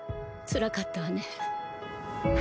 つらかったわね。